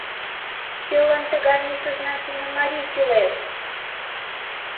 Кӧлан тыгай несознательный марий кӱлеш?